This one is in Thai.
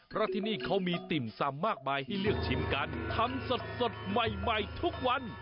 เพราะที่นี่เขามีติ่มซำมากมายให้เลือกชิมกันทำสดใหม่ใหม่ทุกวัน